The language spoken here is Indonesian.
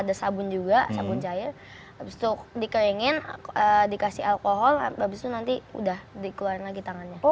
ada sabun juga sabun cair habis itu dikeringin dikasih alkohol abis itu nanti udah dikeluarin lagi tangannya